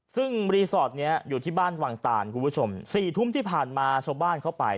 ซึ่งรีสอร์ทนี้อยู่ที่บ้านวังตานคุณผู้ชม๔ทุ่มที่ผ่านมาชาวบ้านเข้าไป